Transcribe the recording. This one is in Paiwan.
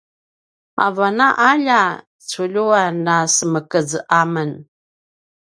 avan a alja culjuan na semekez a men